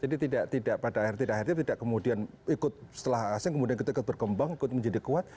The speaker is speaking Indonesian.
jadi tidak pada akhir akhir tidak kemudian ikut setelah asing kemudian kita berkembang ikut menjadi kuat